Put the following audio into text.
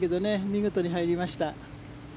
見事に入りました。